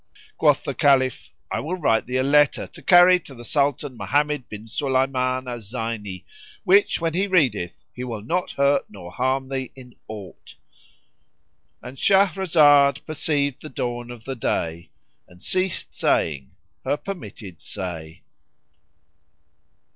Quoth the Caliph, "I will write thee a letter to carry to the Sultan Mohammed bin Sulayman al Zayni, which when he readeth, he will not hurt nor harm thee in aught."— And Shahrazad perceived the dawn of day and ceased saying her permitted say.